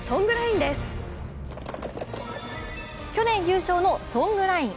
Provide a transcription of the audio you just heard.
去年優勝のソングライン。